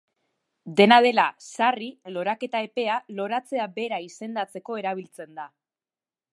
Dena dela, sarri, loraketa epea, loratzea bera izendatzeko erabiltzen da.